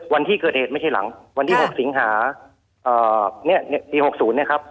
วันที่เกิดเหตุไม่ใช่หลังวันที่หกสิงหาปีหกศูนย์นะครับ